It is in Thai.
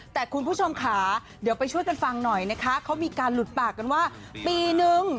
แต่คุณผู้ชมค่ะเดี๋ยวไปช่วยกันฟังหน่อยนะคะเขามีการหลุดปากกันว่าปีนึง